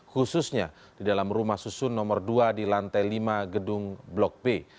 khususnya di dalam rumah susun nomor dua di lantai lima gedung blok b